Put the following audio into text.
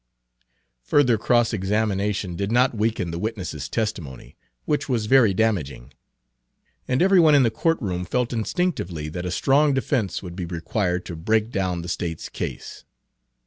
Further cross examination did not weaken the witness's testimony, which was very damaging, and every one in the court room felt instinctively that a strong defense would be required to break down the State's case.